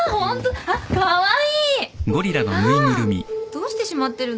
どうしてしまってるの？